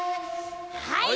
はい！